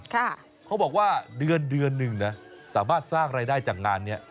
เขาบอกว่าเดือนเดือนหนึ่งนะสามารถสร้างรายได้จากงานนี้